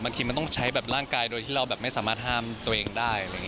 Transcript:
บางทีมันต้องใช้แบบร่างกายโดยที่เราแบบไม่สามารถห้ามตัวเองได้